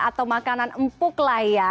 atau makanan empuk lah ya